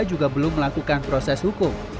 juga belum melakukan proses hukum